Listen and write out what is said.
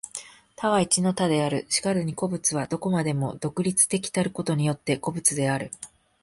多は一の多である。然るに個物は何処までも独立的たることによって個物である。